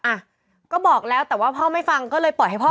อ่ะก็บอกแล้วแต่ว่าพ่อไม่ฟังก็เลยปล่อยให้พ่อ